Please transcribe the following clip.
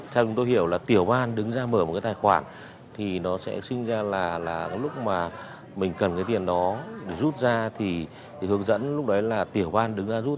theo chúng tôi hiểu là tiểu ban đứng ra mở một cái tài khoản thì nó sẽ sinh ra là lúc mà mình cần cái tiền đó rút ra thì hướng dẫn lúc đấy là tiểu ban đứng ra rút